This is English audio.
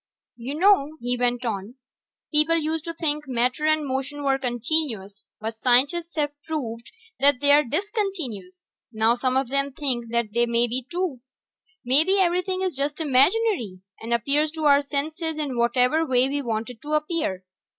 "You know," he went on, "people used to think matter and motion were continuous, but scientists have proved that they are discontinuous. Now some of them think time may be, too. Maybe everything is just imaginary, and appears to our senses in whatever way we want it to appear.